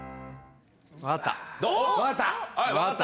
分かった？